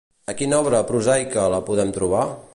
A quina obra prosaica la podem trobar?